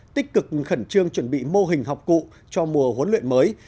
tích cực khẩn trương chuẩn bị mô hình học cụ cho mùa huấn luyện mới